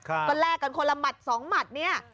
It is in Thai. ก็แลกกันคนละหมัดสองหมัดเนี่ย